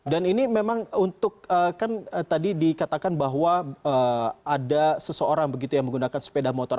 dan ini memang untuk kan tadi dikatakan bahwa ada seseorang begitu yang menggunakan sepeda motor